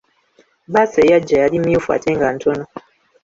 Bbaasi eyajja yali myufu ate nga ntono.